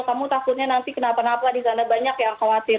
kamu takutnya nanti kenapa napa di sana banyak yang khawatir